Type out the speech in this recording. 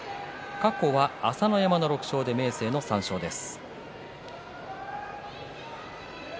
過去は朝乃山が６勝明生の３勝です。